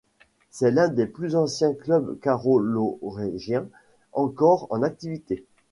C'est un des plus anciens clubs carolorégiens encore en activité.